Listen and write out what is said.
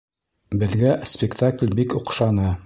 Беҙгә спектакль бик оҡшаны.